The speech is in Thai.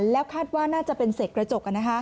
แล้วคาดว่าน่าจะเป็นเศษกระจก